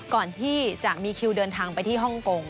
ก่อนที่จะมีคิวเดินทางไปที่ฮ่องกง